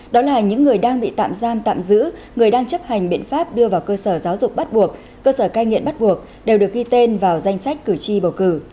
đó là những người đang bị tạm giam tạm giữ người đang chấp hành biện pháp đưa vào cơ sở giáo dục bắt buộc cơ sở cai nghiện bắt buộc đều được ghi tên vào danh sách cử tri bầu cử